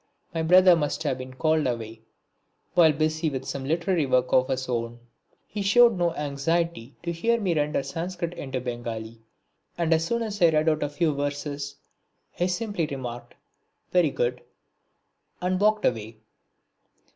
My brother must have been called away while busy with some literary work of his own. He showed no anxiety to hear me render the Sanscrit into Bengali, and as soon as I had read out a few verses he simply remarked "Very good" and walked away.